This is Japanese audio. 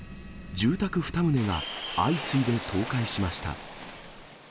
住宅２棟が相次いで倒壊しました。